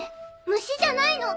虫じゃないの！